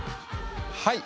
はい。